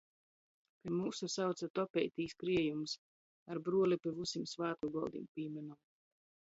Pi myusu sauce - topeitīs kriejums. Ar bruoli pi vysim svātku goldim pīmynom!